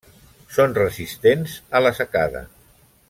Són resistents a la secada.